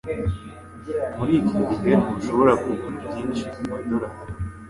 Muri iki gihe, ntushobora kugura byinshi kumadorari.